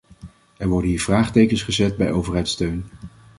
Er worden hier vraagtekens gezet bij overheidssteun.